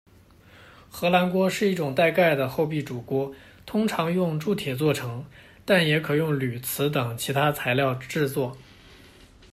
荷兰锅是一种带盖的厚壁煮锅，通常用铸铁做成，但也可用铝、瓷等其他材料制作。